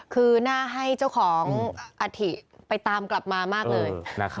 คือน่าให้เจ้าของอัฐิไปตามกลับมามากเลย